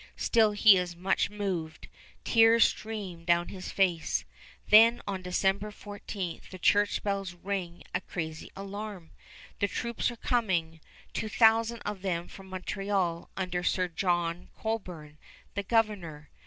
Still he is much moved; tears stream down his face. Then on December 14 the church bells ring a crazy alarm. The troops are coming, two thousand of them from Montreal under Sir John Colborne, the governor.